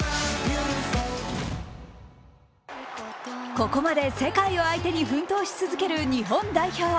ここまで世界を相手に奮闘し続ける日本代表